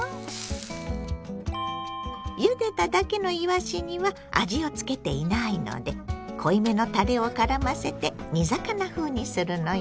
ゆでただけのいわしには味をつけていないので濃いめのたれをからませて煮魚風にするのよ。